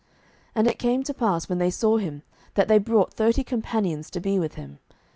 07:014:011 And it came to pass, when they saw him, that they brought thirty companions to be with him.